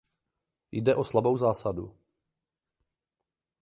Jde o slabou zásadu.